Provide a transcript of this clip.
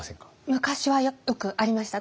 昔はよくありました。